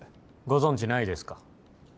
ご存じないですか？